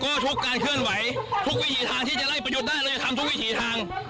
ดูว่าก็ทุกการเคลื่อนไหวทุกวิถีทางที่จะหล่ายประยุดได้เลยเราจะทำทุกวิถีทาง